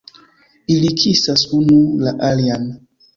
Ili kisas unu la alian!